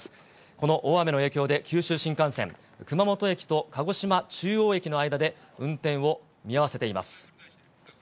この大雨の影響で九州新幹線、熊本駅と鹿児島中央駅の間で、運転を見合わせています。